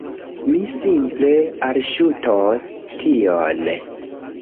Mi simple alŝutos tion